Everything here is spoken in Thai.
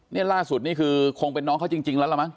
นี่ล่าสุดนี่คือคงเป็นน้องเขาจริงแล้วล่ะมั